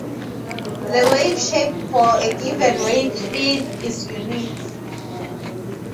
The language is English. The wave shape for a given wave speed is unique.